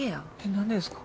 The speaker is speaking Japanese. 何でですか？